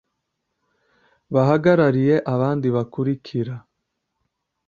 bahagarariye abandi bakurikira